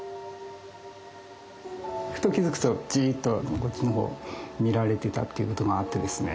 ふと気付くとじっとこっちの方を見られてたっていうことがあってですね